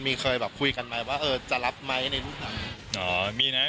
มีเคยคุยกันไหมว่าจะรับไหมในทุกทาง